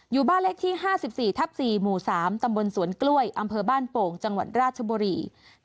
อยู่บ้านเลขที่๕๔ทับ๔หมู่๓ตำบลสวนกล้วยอำเภอบ้านโป่งจังหวัดราชบุรี